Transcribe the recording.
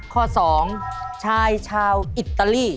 ข้อ๒ชายชาวอิตาลี